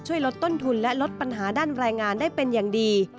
ช่วยลดต้นทุนและลดปัญหาด้านแรงงานได้เป็นอย่างดี